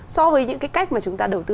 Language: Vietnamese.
so với những cái cách mà chúng ta đầu tư